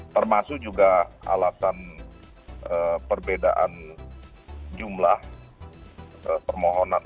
termasuk juga alasan perbedaan jumlah permohonan